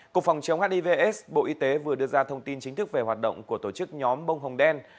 cục phòng chống hivs bộ y tế vừa đưa ra thông tin chính thức về hoạt động của tổ chức nhóm bông hồng đen